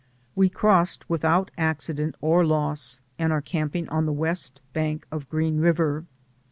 We crossed without accident or loss, and are camping on the west bank of Green River.